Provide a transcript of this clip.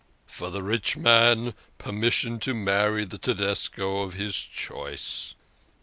" For the rich man permission to marry the Tedesco of his choice."